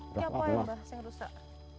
ini apa yang rusak